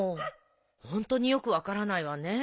ホントによく分からないわね。